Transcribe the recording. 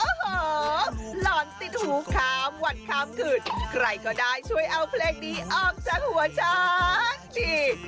โอ้โหหลอนติดหูข้ามวันข้ามคืนใครก็ได้ช่วยเอาเพลงนี้ออกจากหัวฉันที